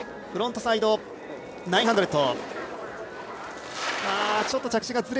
フロントサイド５４０。